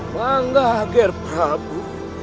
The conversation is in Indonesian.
manggah ager prabu